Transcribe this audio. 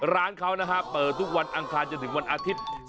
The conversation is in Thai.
ร้านเขานะฮะเปิดทุกวันอังคารจนถึงวันอาทิตย์